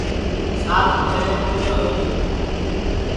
سات پھیرے پُورے ہوئی گے